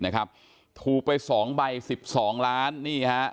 นะครับถูกไป๒ใบ๑๒ร้านนะนี่ฮะ